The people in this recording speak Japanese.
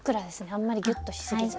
あんまりギュッとしすぎず。